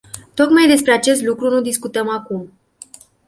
Tocmai despre acest lucru nu discutăm acum.